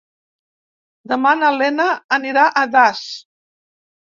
Demà na Lena anirà a Das.